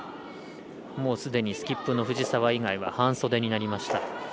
すでにスキップの藤澤以外は半袖になりました。